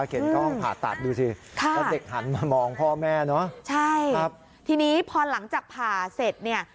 ห้องผ่าตัดดูสิค่ะแล้วเด็กหันมามองพ่อแม่เนอะใช่ครับทีนี้พอหลังจากผ่าเสร็จเนี่ย